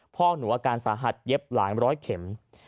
พ่อหนูอาการสาหัสเย็บหลายร้อยเข็ม